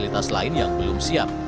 ada atas lain yang belum siap